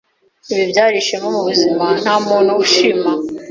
Ibi byari ishema mubuzima ntamuntu ushima